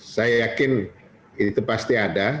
saya yakin itu pasti ada